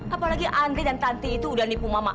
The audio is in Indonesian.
apalagi andri dan tanti itu udah nipu mama